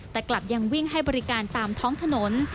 แต่กลับยังวิ่งให้บริการตามท้องถนน